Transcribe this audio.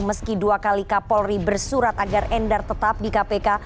meski dua kali kapolri bersurat agar endar tetap di kpk